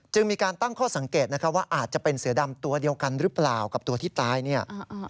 มีการตั้งข้อสังเกตนะครับว่าอาจจะเป็นเสือดำตัวเดียวกันหรือเปล่ากับตัวที่ตายเนี่ย